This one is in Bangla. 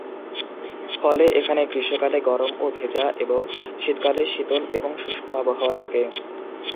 ফলে এখানে গ্রীষ্মকালে গরম ও ভেজা এবং শীতকালে শীতল এবং শুষ্ক আবহাওয়া থাকে।